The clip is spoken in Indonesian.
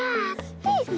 aduh sakit putih